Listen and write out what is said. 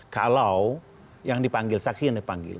kalau yang dipanggil saksi yang dipanggil